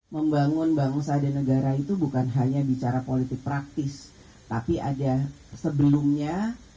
membangun bangsa dan negara itu bukan hanya bicara politik praktis tapi ada sebelumnya